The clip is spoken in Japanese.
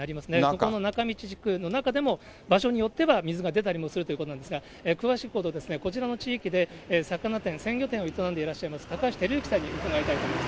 この仲道地区の中でも、場所によっては水が出たりもするということなんですが、詳しいことは、こちらの地域で魚店、鮮魚店を営んでいらっしゃる、高橋照幸さんに伺いたいと思います。